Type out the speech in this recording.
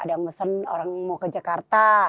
ada mesen orang mau ke jakarta